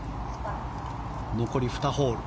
残り２ホール。